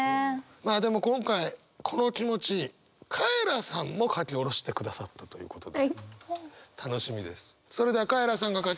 まあでも今回この気持ちカエラさんも書き下ろしてくださったということで楽しみです。